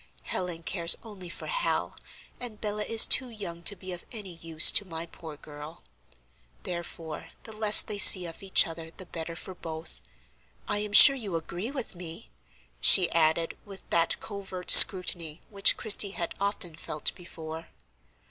Helen cares only for Hal, and Bella is too young to be of any use to my poor girl; therefore the less they see of each other the better for both. I am sure you agree with me?" she added, with that covert scrutiny which Christie had often felt before.